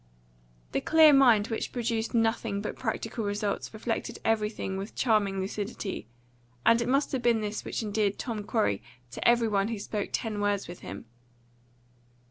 The clear mind which produced nothing but practical results reflected everything with charming lucidity; and it must have been this which endeared Tom Corey to every one who spoke ten words with him.